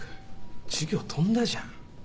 授業飛んだじゃん。